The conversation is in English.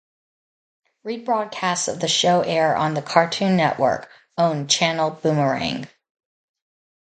Rebroadcasts of the show air on the Cartoon Network-owned channel Boomerang.